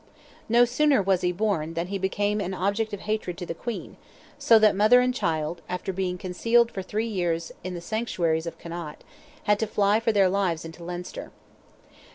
No sooner was he born than he became an object of hatred to the Queen, so that mother and child, after being concealed for three years in the sanctuaries of Connaught, had to fly for their lives into Leinster.